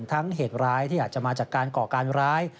เหตุร้ายที่อาจจะมาจากการก่อการร้าย